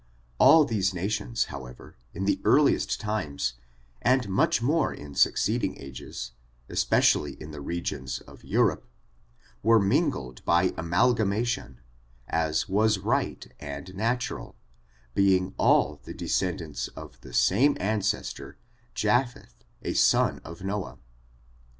All these nations, however, in the earliest time, and much more in succeeding ages, es pecially in the regions of Europe, were mingled by amalgamation, as was right and luitural, being all the descendants of the same ancestor, Japbeth, a son of Noah.